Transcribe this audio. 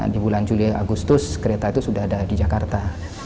di bulan juli agustus kereta itu sudah ada di jakarta